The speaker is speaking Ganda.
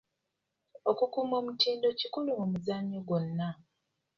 Okukuuma omutindo kikulu mu muzannyo gwonna.